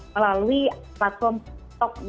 melalui platform yang penuh dengan humor